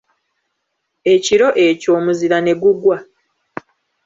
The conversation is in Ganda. Ekiro ekyo omuzira ne gugwa.